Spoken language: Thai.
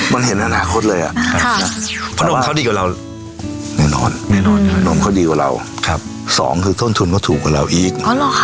มันก็ยากเหมือนกับประเทศไทย